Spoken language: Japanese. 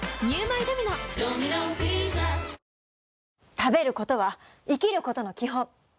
食べることは生きることの基本！